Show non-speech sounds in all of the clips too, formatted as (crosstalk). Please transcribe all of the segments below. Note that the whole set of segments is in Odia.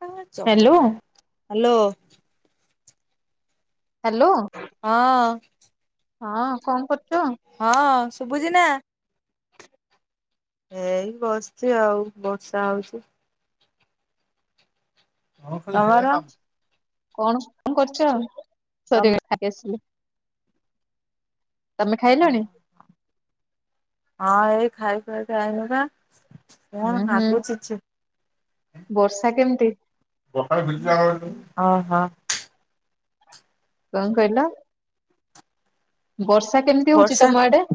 ତା ହ୍ୟାଲୋ ଚଗଲା ହ୍ୟାଲୋ। ହ୍ୟାଲୋ। ହଁ। ହଁ କଣ କରୁଛ? ହଁ ଶୁଭୁଛି ନା? ଏଇ ବସିଛି ଆଉ ବର୍ଷା ହଉଛି। ତମର କଣ କଣ କରିଛ ତମ ସରି ଗଲା ଖାଇ କି ଆସିଲି। ତମେ ଖାଇଲଣି? ହଁ ଏଇ ଖାଇ ପିଅ ଯାଇନୁ ବା। କଣ ଉ ହୁଁ ନାଗୁଛି ଛି ବର୍ଷା କେମିତି? ଅ ହ। କ କହିଲ? ବର୍ଷା କେମିତି ହଉଛି ବର୍ଷା ତମ ଆଡେ?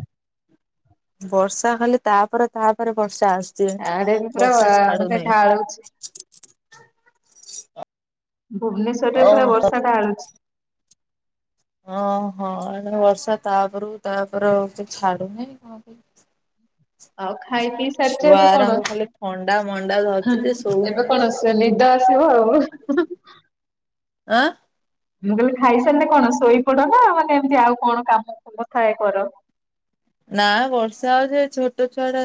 ବର୍ଷା ଖାଲି ତାପରେ ତାପରେ ବର୍ଷା ଆସୁଛି ଆଡେ ବି ପୁରା ବର୍ଷା ଛାଡୁ ମାନେ ନାଇ। ଢାଳୁଛି ହ ଭୁବନେଶ୍ଵରରେ ପୁରା ବର୍ଷା ଗାଳୁଛି। ହଁ ହଁ ଏ କାନି ବର୍ଷା ତାପରୁ ତାପରେ ଛାଡୁ ନାହିଁ। ଆଉ ଖାଇ ପିଇ ସାରିଛ ଛୁଆ ଏବେ କଣ ଗୁରାଙ୍କୁ ଖାଲି ଥଣ୍ଡା ମଣ୍ଡା ଧରିଛି ହେ ଯେ ଏବେ ଶୋଉନାହାନ୍ତି କଣ? ଚେ ନିଦ ଅସିବ ଆଉ। ଏଁ? ମୁଁ କହିଲି ଖାଇସାରିଲେ କଣ ଶୋଇପଡ ନା ମାନେ ଏମିତି ଆଉ କଣ କାମ କଥା କର? ନା ବର୍ଷା ହଉଛି ଏଇ ଛୋଟ ଛୁଆ ଟା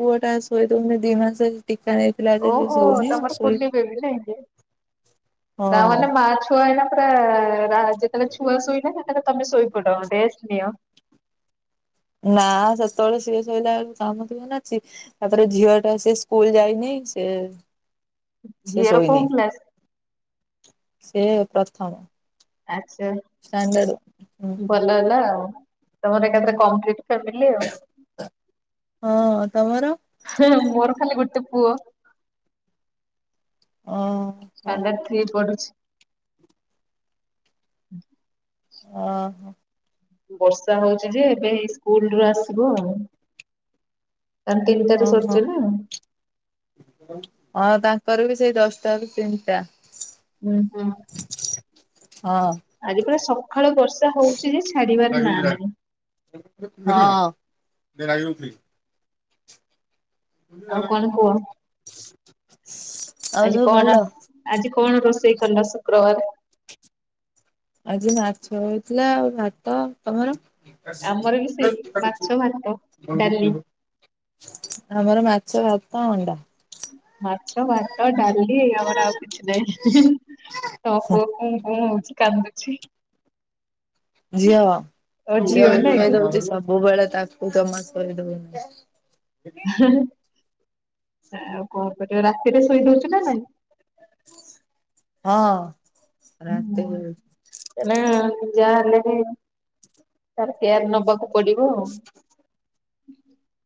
ପୁଅ ଟା ଶୁଆଇଦଉନି ଦି ମାସ ଟୀକା ନେଇ ଓହୋ ତମର କୁଲିବେ ବି ନା କି ତା ହଁ ମାନେ ମାଚ ଛୁଆ ହେଲା ପୁରା ରା ଯେତେବେଳେ ଛୁଆ ଶୋଇଲା ସେତେବେଳେ ତମେ ଶୋଇପଡ ରେଷ୍ଟ ନିଅ। ନା ସେତେବେଳେ ସିଏ ଶୋଇଲା ବେଳକୁ କାମ ଥିବ ନା ଅଛି। ତାପରେ ଝିଅ ଟା ସେ ସ୍କୁଲ ଯାଇନି ସେ ସେ ଝିଅର କୋଉ ଶୋଇନି କ୍ଲାସ୍ ସେ ପ୍ରଥମ ଆଛା ଷ୍ଟାଣ୍ଡାର୍ଡ ହୁଁ ଭଲ ହେଲା ଆଉ। ତମର ଏକାଥରେ କଂପ୍ଲିଟ୍ ଫ୍ୟାମିଲୀ ଆଉ। ହଁ ତମର ହେ ମୋର ଖାଲି ଗୋଟେ ପୁଅ। ଓ ଷ୍ଟାଣ୍ଡାର୍ଡ ଥ୍ରି ପଢୁଛି। ଓହୋ। ବର୍ଷା ହଉଚି ଯେ ଏବେ ଏଇ ସ୍କୁଲ ରୁ ଆସିବ ଆଉ। ତମେ ତିନିଟାରୁ ଓହୋ ସରୁଚି ନା? ହଁ ତାଙ୍କର ବି ସେଇ ଦଶଟାରୁ ତିନିଟା। ହୁଁ ହୁଁ। ହଁ। ଆଜି ପୁରା ସକାଳୁ ବର୍ଷା ହଉଚ ଯେ ଛାଡିବାର ନା ନାହିଁ। ହଁ। ଆଉ କଣ କୁହ? ଆଜି ସବୁ କଣ ଭଲ ରା ଆଜି କଣ ରୋଷେଇ କଲ ଶୁକ୍ରବାରେ? ଆଜି ମାଛ ହେଇଥିଲା ଆଉ ଭାତ। ତମର? ଆମର ବି ସେଇ ମାଛ ଭାତ ଡାଲି। (unintelligible) ଆମର ମାଛ ଭାତ ଅଣ୍ଡା। ମାଛ ଭାତ ଡାଲି ଲି ଆମର ଆଉ କିଛି ନାଇଁ। ତ ପୁଅ କୁଁ କୁଁ, ହଉଛି କାନ୍ଦୁଛି। ଝିଅ ତୋ ଝିଅ ନାଇଁ କି? ଉଠେଇଦୋଉଛି ସବୁବେଳେ ତାକ କୁ ଜମା ଶୋଇଦଉନି। ଆଉ କଣ କରିବ ରାତିରେ ଶୋଇଦୋଉଛି ନା ନାଇଁ? ହଁ, ରାତିରେ ନା ଯାହା ହେଲେ ବି ତାର କେୟାର ନବାକୁ ପଡ଼ିବ।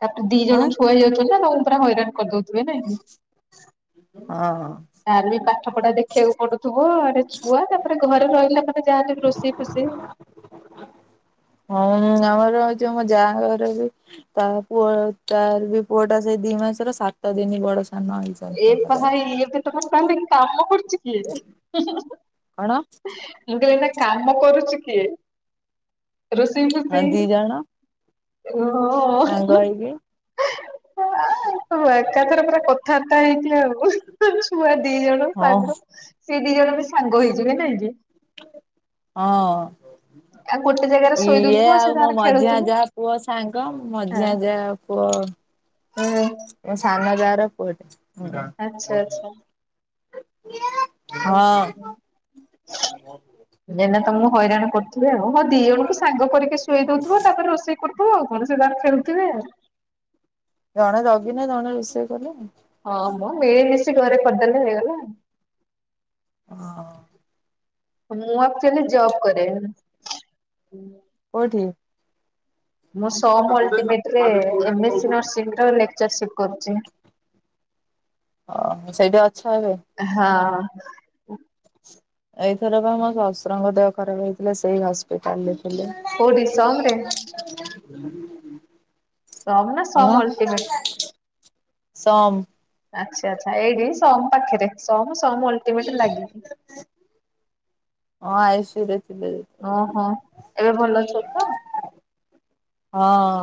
ତାକୁ ଦି ଜଣ ଆଁ ଛୁଆ ହେଇଯାଉଛନ୍ତି ତ ତାଙ୍କୁ ପୁରା ହଇରାଣ କରିଦଉ (unintelligible) ହଁ ତାର ବି ପାଠ ପଢା ଦେଖିବାକୁ ପଡୁଥିବ ଇଆଡ଼େ ଛୁ ଛୁଆ ତାପରେ ଘରେ ରହିଲା ପରେ ଯାହେଲେ ବି ରୋଷେଇ ଫୋସେଇ। ହଁ, (unintelligible) ଆମର ଯୋଉ ମୋ ଯା ଘର ଯୋଉ ତା ପୁଅ ତାର ବି ପୁଅ ଟା ସେଇ ଦି ମାସର ସାତ ଦିନି ବଡ ସାନ ହେଇଛି। ଏଇ ତ ଭାଇ ଇଏତ ଭଲପାନ୍ତିନି କାମ କରୁଛି କିଏ? କଣ? ମୁଁ କହିଲି ଏଇନା କାମ କରୁଛି କିଏ ରୋଷେଇ ହଁ ଫୋସେଇ? ଦି ଜଣ ଓ ସାଙ୍ଗ ଅଁ ହେଇକି ଅଁ ଆଁ ଏକାଥରେ ପୁରା କ ଥାବାର୍ତା ହେଇଥିବେ ଆଉ ଛୁଆ ଦି ଜଣ ହଁ ସାଙ୍ଗ ସେ ଦି ଜଣବି ସାଙ୍ଗ ହେଇଯିବେ ନାଇଁ କି? ହଁ। ଆଉ ଗୋଟେ ଜାଗାରେ ଶୋଇ ଇଏ ଦଉଥିବ ସେ ଆଉ ମୋ ତାର ମଝିଆ ଖେଳୁଥିବେ ଯା ପୁଅ ସାଙ୍ଗ ମଝିଆ ଯା ପୁଅ ହୁଁ। ମୋ ସାନ ଯାର ପୁଅଟେ। ଆଚ୍ଛା ଆଚ୍ଛା। (unintelligible) (unintelligible) ହଁ। ଏଇଁନା ତମକୁ ହଇରାଣ କରୁଥିବ ଆଉ। ହଁ, ଦି ଜଣଙ୍କୁ ସାଙ୍ଗ କରିକି ଶୋଇଦଉଥିବ ତାପରେ ରୋଷେଇ କରୁଥିବ ଆଉ କଣ ସିଏ ତାଙ୍କର ଖେଳୁଥିବେ। ଜଣେ ଜଗିଲେ ଜଣେ ରୋଷେଇ କଲେ ଆଉ। ହଁ, ମ ମିଳିମିଶି ଘରେ କରିଦେଲେ ହେଇଗଲା ଆଉ। ହଁ। ମୁଁ ଆକ୍ଚୁଆଲି ଜବ କରେ। କୋଉଠି? ମୁଁ ସମ ଅଲଟିମେଟରେ ଏମ ଏ ସି ନର୍ସିଂର ଲେକ୍ଚରସିପ୍ କରୁଛି। ଓହୋ ସେଇଠି ଅଛ ଏବେ? ହଁ ଏଇଥର ବା ମୋ ଶଶୁରଙ୍କ ଦେହ ଖରାପ ହେଇଥିଲା, ସେଇ ହସ୍ପିଟାଲରେ ଥିଲେ। କୋଉଠି ସମ୍ ରେ? ସମ୍ ନା ସମ୍ କଣ? ଅଲଟିମେଟ୍? ସମ୍। ଆଚ୍ଛା ଆଚ୍ଛା। ଏଇଠି ସମ୍ ପାଖରେ ସମ୍ ସମ୍ ଅଲଟିମେଟ୍ ଲାଗିକି ହଁ ଆଇସୁ ରେ ଥିଲେ। ଯେତେବେଳେ ହଁ। ଓହୋ ଏବେ ଭଲ ଅଛନ୍ତି ତ? ହଁ।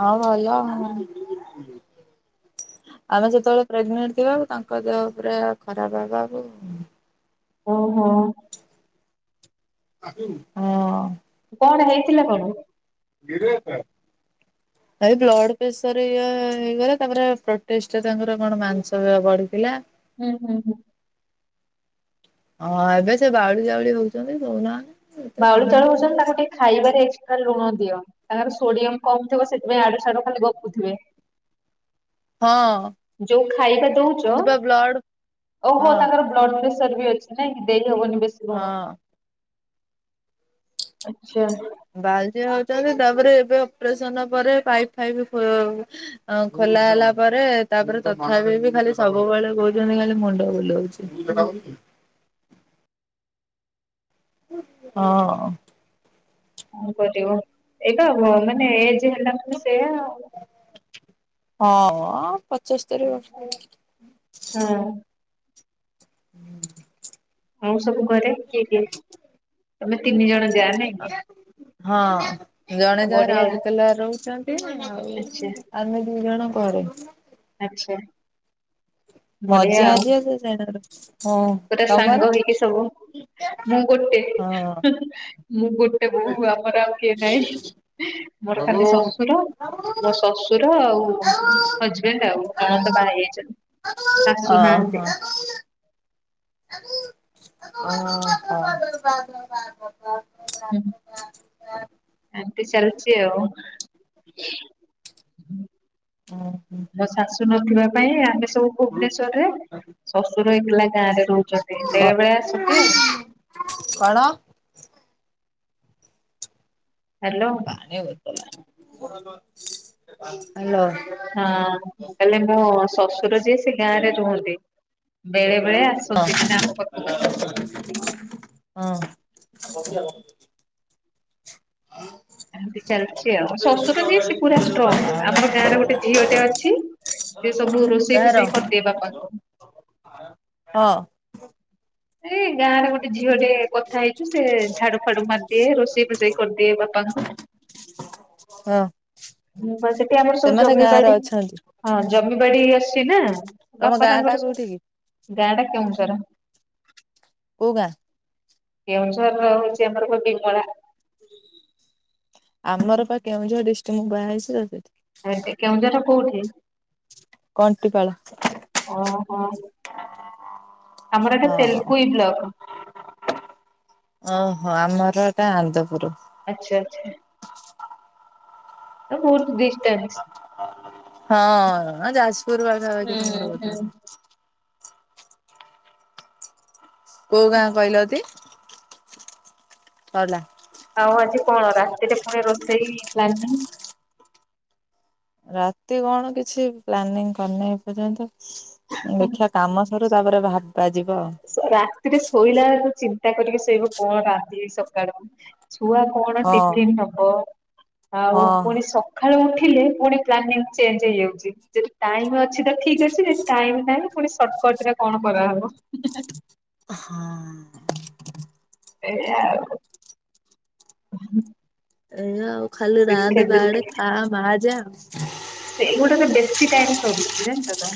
ହଁ ଭଲ ଆଉ ଆମେ ସେତେବେଳେ ପ୍ରେଗନେଣ୍ଟ ଥିବାକୁ ତାଙ୍କ ଦେହ ପୁରା ଖରାପ ହେବାକୁ ଓହୋ। ହଁ। କଣ ହେଇଥିଲା କଣ? କିଏରେ ବାପା? ଭାଇ ବ୍ଲଡ ପ୍ରେସର ଇଏ ହେଇଗଲା ତାପରେ ପ୍ରୋଟେଷ୍ଟରେ ତାଙ୍କର କଣ ମାଂସ ବଢିଥିଲା ହୁଁ ହୁଁ ହୁଁ। ହଁ ଏବେ ସେ ବାଉଳି ଚାଉଳି ହଉଛନ୍ତି କଉନା ବାଉଳି ଚାଉଳି ହଉଛନ୍ତି ତାକୁ ଟିକ୍ ଖାଇବାରେ ଏକ୍ସଟ୍ରା ଲୁଣ ଦିଅ। ତାଙ୍କର ସୋଡିୟମ କମ ଥିବ ସେଥିପାଇଁ ଆଡୁ ସ୍ୟାଡୁ ଖାଲି ଗପୁଥିବେ। ହଁ। ଯୋଉ ଖାଇବା ଦଉଛ କିନ୍ତୁ ବା ବ୍ଲଡ ଓ ହଁ ହ ତାଙ୍କର ବ ବ୍ଲଡ଼ ପ୍ରେସର ବି ଅଛି ନାଇଁକି ଦେଇହବନି ବେଶ ହଁ। ଆଚ୍ଛା। ବାଲଜିି ହଉଛନ୍ତି ତାପରେ ଏବେ ଅପରେସନ ପରେ ପାଇପ ଫାଇପ ଖୋ ଅ ଖୋଲା ହେଲା ପରେ ତାପରେ ତଥାପି ବି ଖାଲି ସବୁବେଳେ କହୁଛନ୍ତି ଖାଲି ମୁଣ୍ଡ ବୁଲଉଛି। (inaudible) ହୁଁ ହଁ। କଣ କରିବ ଏଇଟା ମାନେ ଏଜ୍ ହେଲା ମାନେ ସେୟା ଆାଉ। ହଁ ପଚସ୍ତରୀ ବର୍ଷ ହଁ। ହୁଁ ଆଉ ସବୁ ଘରେ କିଏ କିଏ ତମେ ତିନି ଜଣ ଯାଆ ନାଇଁକି? ହଁ ଜଣେ ଯା ରାଉରକେଲାରେ ରହୁଛନ୍ତି ଆଚ୍ଛା ଆଉ ଆମେ ଦି ଜଣ ଘରେ। ଆଛା। ମଝି ଆ ଯିଏ ସିଏ ସିଆଡେ ରଉ ଗୋଟେ ସାଙ୍ଗ ହେଇକି ସବୁ ମୁଁ ଗୋଟେ ହଁ ମୁଁ ଗୋଟ୍ ଗୋଟେ ବୋହୁ ଆମର ଆଉ କିଏ ନାଇଁ ମୋର ଖାଲି ଶ୍ୱଶୁର ମୋ ଶ୍ୱଶୁର ଆଉ ହଜ୍ ବେଣ୍ଡ ଆଉ ନଣନ୍ଦ ବାହା ହେଇଯାଇଚନ୍ତି। ଶାଶୁ ନାହାନ୍ତି। ଅ ହ। ହୁଁଉ। ଏମିନ୍ତି ଚାଲିଛି ଆଉ ଓ ହୋ ଆମ ଶାଶୁ ନଥିବା ପାଇଁ ଆମେ ସବୁ ଭୁବନେଶୂରରେ ଶ୍ୱଶୁର ଏକେ ଲା ଗାଁ ରେ ରହୁଛନ୍ତି ବେଳେ ବେଳେ ଆସନ୍ତି ଆଉ କଣ ହ୍ୟାଲୋ (inaudible) ହାଲୋ ହଁ ହେଲେ ମୋ ଶଶୁର ଯିଏ ସେ ଗାଁ ରେ ରୁହନ୍ତି ବେଳେ ବେଳେ ଆସନ୍ତି ମାନେ ଆମ ପାଖକୁ ହଁ ହଁ ଏମିତି ଚାଲିଛି ଆଉ ଶ୍ୱଶୁର ଯିଏ ସେ ପୁରା ଷ୍ଟ୍ରଙ୍ଗ ହଁ ଆମର ଗାଁରେ ଗୋଟେ ଝିଅଟେ ଅଛି ସେ ସବୁ ରୋଷେଇ କାର ଫୋଷେଇ କରିଦିଏ ବାପାଙ୍କୁ ହଁ ଏଇ ଗାଁରେ ଗୋଟେ ଝିଅ ଟେ କଥା ହେଇଛୁ ସେ ଝାଡୁ ଫାଡୁ ମାରିଦିଏ ରୋଷେଇ ଫୋଷେଇ କରିଦିଏ ବାପାଙ୍କୁ ହଁ ହୁଁ ବା ସେଠି ଆମର ସବୁ ସେମାନେ ଗାଁ ରେ ଜମିିବାଡି ଅଛନ୍ତି। ହଁ ଜମି ବାଡି ଅଛି ନା ତମ ବାପା ଗାଁ ଟା ତାଙ୍କର ସବୁ କୋଉଠି କି ଗାଁ ଟା କେଉଁଝର କୋଉ ଗାଁ କେଉଁଝରର ହଉଛି ଆମର ଗୋ ବିମଳା ଆମର ପା କେଉଁଝର ଡିଷ୍ଟିକି ମୁଁ ବାହା ହେଇଛି ତ ସେଠି ଆଉ ଏଠି କେଉଁଝର କୋଉଠି କଣ୍ଟିପାଳ ଓହୋ ଆମର ଏଟା ହଁ ତେଲକୋଇ ବ୍ଲକ ଓହୋ ଆମର ଏଟା ଆନ୍ଦପୁର ଆଚ୍ଛା ଆଚ୍ଛା ବହୁତ ଡିଟେନ୍ସ (inaudible) ହଁ ଯାଜପୁର ପାଖ କି ହୁଁ ତମର ହୁଁ। କଥା ହବ କୋଉ ଗାଁ କହିଲତି ସଇଲା ଆଉ ଆଜି କଣ ରାତିରେ ପୁଣି ରୋଷେଇ ହେଲାଣି ରାତି କଣ କିଛି ପ୍ଲାନିଂ କରିନି ଏ ପର୍ଯ୍ୟନ୍ତ ଦେଖିବା କାମ ସରୁ ତାପରେ ଭାବିବା ଯିବ ଆଉ ରାତିରେ ଶୋଇଲା ବେଳୁ ଚିନ୍ତା କରିକି ଶୋଇବ କଣ ରାନ୍ଧିଵି ସକାଳୁ ଛୁଆ କଣ ଆଉ ଟିଫିନ ହବ ଆଉ ହଁ ପୁଣି ସକାଳୁ ଉଠିଲେ ପୁଣି ପ୍ଲାନିଂ ଚେଞ୍ଜ ହେଇଯାଉଛି ଯଦି ଟାଇମ ଅଛି ତ ଠିକ ଅଛି ଟାଇମ୍ ନାହିଁ ପୁଣି ସର୍ଟକଟ ରେ କଣ କରାହବ ହଁ ଏହା ଆଉ ଏହା ଆଉ ଖାଲି ରାନ୍ଧ ସେଥି ବାହାଡେ ଖା ମାହାଜେ ଆଉ ସେଗୁଡା ତ ବେଶୀ ଟାଇମ ସରୁଛି ଜାଣିଛ ତ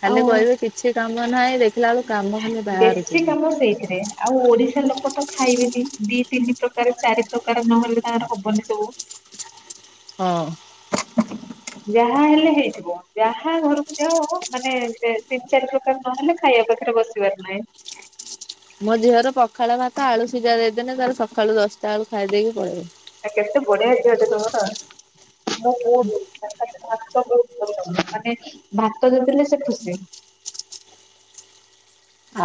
ଖାଲି ଆଉ କହିବେ କିଛି କାମ ନାହିଁ ଦେଖିଲା ବେଳୁ କାମ ଖାଲି ବାହାରୁଛି ବେଶୀ କାମ ସେଇଥିରେ ଆଉ ଓଡିଶା ଲୋକ ତ ଖାଇବେନି ଦି ତିନି ପ୍ରକାର ଚାରି ପ୍ରକାର ନହେଲେ ତାଙ୍କର ହବନି ସବୁ ହଁ ଯାହା ହେଲେ ହେଇଥିବ ଯାହା ଘରକୁ ଯାଅ ମାନେ ତିନି ଚାରି ପ୍ରକାର ନହେଲେ ଖାଇଆ ପାଖରେ ବସି ମେ ଫ୍ଲାଏ। ମୋ ଝିଅର ପଖାଳ ଭାତ ଆଳୁ ସିଝା ଦେଇଦେଲେ ତାର ସକାଳୁ ଦଶଟା ବେଳୁ ଖାଇ ଦେଇକି ପଳେଇବ। ଆ କେତେ ବଢିଆ ଝିଅଟେ ତମର? ମୁଁ ବହୁତ ଭାତ ପାଇଁ ଭଲ ମାନେ ଭାତ ଦେଇଦେଲେ ସେ ଖୁସି।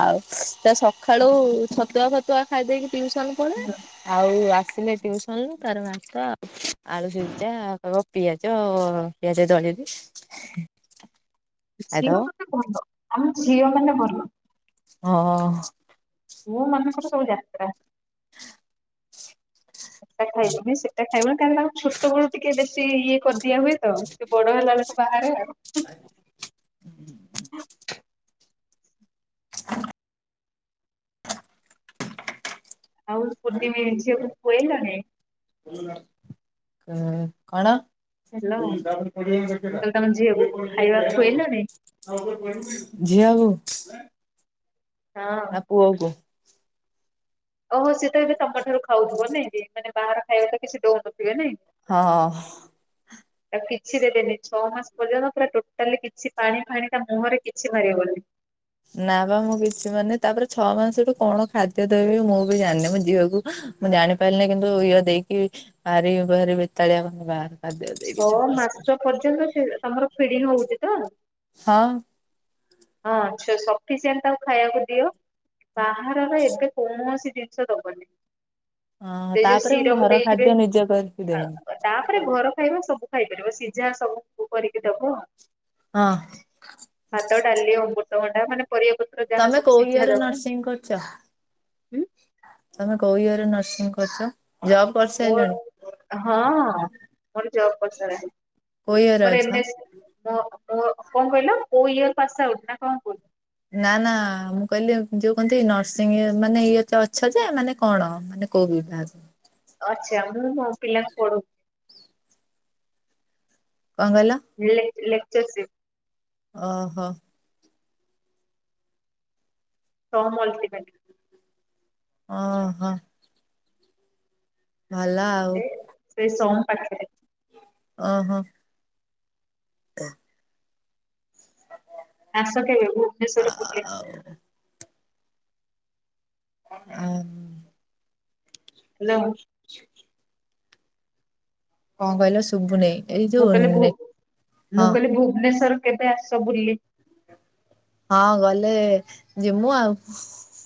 ଆଉ ସେ ତ ସଖାଳୁ ଛତୁଆ ଫତୁଆ ଖାଇଦେଇକି ଟିୟୁସନ୍ କୁ ହଁ। ଆଉ ଆସିଲେ ଟିୟୁସନ୍ ରୁୁ ତାର ଭାତ ଆଉ। ଆଳୁ ସିଜା ତାକୁ ପିଆଜ ପିଆଜ ଦଳିବି। ଖାଇଦବ। ଝିଅ କଥା କୁହନ୍ତୁ ଆମ ଝିଅ ମାନେ ଭଲ। ହଁ। ପୁଅ ମାନଙ୍କର ସବୁ ଯାତ୍ରା। ଏଇଟା ଖାଇବୁନି ସେଟା ଖାଇବୁନି କାରଣ ତାଙ୍କୁ ଛୋଟ ବେଳୁ ଟିକେ ବେଶୀ ଇଏ କରି ଦିଆ ହୁଏ ତ, ସେ ବଡ ହେଲା ବେଳକୁ ବାହାରେ ଆଉ। (unintelligible) (unintelligible) ଆଉ କୁନି ଝିଅକୁ ଖୁଅଇଲଣି? କଣ? ହ୍ୟାଲୋ ମୁଁ କହିଲି ତମ ଝିଅକୁ ଖାଇବା ଖୁଆଇଲଣି? (unintelligible) ଝିଅକୁ ହଁ। ନା ପୁଅକୁ? ଓହୋ ସେ ତ ଏବେ ତମ ଠାରୁ ଖାଉଥିବ ନାଇଁ କି ମାନେ ବାହାର ଖାଇବା ତ କିଛି ଦଉନଥିବେ ନାଇଁ? ହଁ। ତାକୁ କିଛି ଦେବେନି ଛଅ ମାସ ପର୍ଯ୍ୟନ୍ତ ପୁରା ଟୋଟାଲି କିଛି ପାଣି ଫାଣି ତା ମୁହଁରେ କିଛି ମାରିବନି। ନା ବା ମୁଁ କିଛି ମାନେ ତାପରେ ଛଅ ମାସଠୁ କଣ ଖାଦ୍ୟ ଦେବି ମୁଁ ବି ଜାଣିନି, ମୋ ଝିଅକୁ ମୁଁ ଜାଣି ପାରିଲିନି କିନ୍ତୁ ଇଅ ଦେଇକି ଭାରି ବାହାରି ବେତାଳିଆ କ ବାହ। ଛଅ ମାସ ପର୍ଯ୍ୟନ୍ତ ସେ ତମର ଫିଡିଙ୍ଗ ହଉଛି ତ? ହଁ। ହଁ ଛ ସଫିସେଣ୍ଟ ତାକୁ ଖାଇଆକୁ ଦିଅ। ବାହାରର ଏବେ କୌଣସି ଜିନିଷ ଦବନି। ହଁ ସେ ଯୋଉ ତାପରେ ମୁଁ ସିରପ ଘର ଦେଇଥିବେ ଖାଦ୍ୟ ନିଜେ କରିକି ଦେମି ତାପରେ ଘର ଖାଇବା ସବୁ ଖାଇପାରିବ ସିଝା ସବୁ କରିକି ଦବ। ହଁ। ଭାତ, ଡାଲି, ଅମୃତଭଣ୍ଡା ମାନେ ପରିବା ପତ୍ର ଯାହା ସବୁ ସିଝା ଦବ। କଣ କରୁଛ? ତମେ କୋଉ ଇଏରେ ନର୍ସିଂ କରିଛ ଜବ୍? ମୋର କରିସାରିଲଣି? ହଁ ମୋର ଜବ କରିସାରିଲାଣି। କୋଉ ଇଏରେ ମୋର ଏମ ଅଛ? ଏସ୍ (unintelligible) କଣ କହିଲ କୋ ଇୟର ପାସ୍ ଆଉଟ ନା କଣ କୁଅନ୍ତୁ। ନା ନା ମୁଁ କହିଲି ଯୋଉ କହନ୍ତି ନର୍ସିଂ ମାନେ ଇଏ ଅଛ ଯେ ମାନେ କଣ ମାନେ? କୋଉ ବିଭାଗ? ଅଛି ଆଉ ମୁଁ ମୋ ପିଲାଙ୍କୁ ପଢଉ କଣ କହିଲ? (unintelligible) ଲେକ୍ଚରସିପ୍। ଓହୋ। ସମ୍ ଅଲ୍ଟିମେଟ୍। ଅଁ ହଁ। ଭଲ ଆଉ। ଏ ସେଇ ସମ୍ ପାଖରେ। ଓହୋ। ବା- ସାନିଆ। ଆସ କେବେ ଭୁବନେଶ୍ୱର ବୁଲିବା। ଉଁ ହୁଁ। ହ୍ୟାଲୋ। ଛୁରୀ। କଣ କହିଲ ଶୁବୁନେଇଁ? ମୁଁ କହିଲି ଭୁ ମୁଁ କହିଲି ଭୁବନେଶ୍ୱର କେବେ ଆସ ବୁଲି। ହଁ ଗଲେ ଯିମୁ ଆଉ।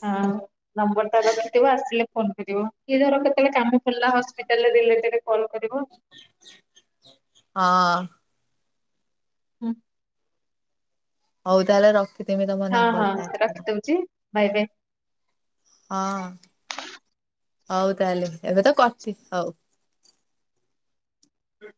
ହଁ ଆଉ ନମ୍ବରଟା ରଖି ଯେତେବେଳେ ଆସିଲେ ଫୋନ୍ କରିବ କିଏ ଧର କେତେବେଳେ କାମ ପଡିଲା ହସ୍ପିଟାଲ ରିଲେଟେଡ୍‌ କଲ୍ କରିବ। ହଁ। ହୁଁ। ହୋଉ ତାହେଲେ ର ହଁ ହଁ ରଖି ଦଉଛି ବାଏ ବାଏ। ହଁ। ହୋଉ ତାହେଲେ ଏବେ ତ କରତି ହଉ। ହ।